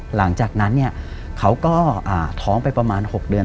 หลังจากนั้นเขาก็ท้องไปประมาณ๖เดือน